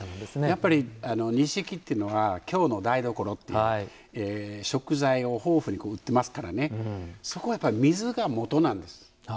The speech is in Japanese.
やっぱり錦というのは京の台所ということで食材を豊富に売ってますからそこはやっぱり水が元なんです。